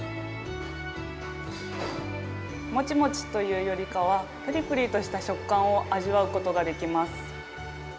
もちもちというよりかは、ぷりぷりとした食感を味わうことができます。